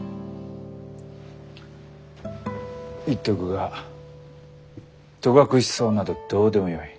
言っておくが戸隠草などどうでもよい。